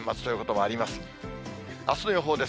あすの予報です。